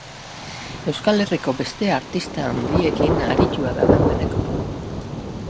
Euskal Herriko beste artista handiekin aritua da dagoeneko.